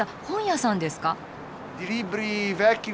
本屋さんですか？